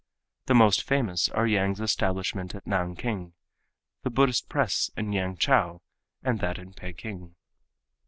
The most famous are Yang's establishment at Nanking, the Buddhist Press in Yangchow and that in Peking.